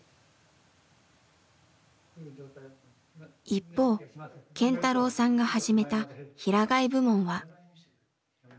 一方健太郎さんが始めた平飼い部門は。